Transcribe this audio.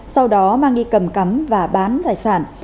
sau đó mang đi cầm cắm và bán tài sản